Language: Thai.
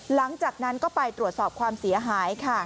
หลังจากนั้นก็ไปตรวจสอบความเสียหายค่ะ